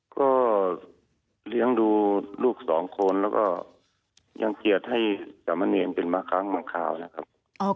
ก็เลี้ยงดูลูกสองคนแล้วก็ยังเกลียดให้สามะเนรเป็นบางครั้งบางคราวนะครับ